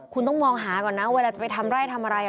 คุณต้องมองหาก่อนนะเวลาจะไปทำไร่ทำอะไร